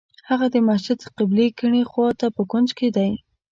هغه د مسجد قبلې کیڼې خوا ته په کونج کې دی.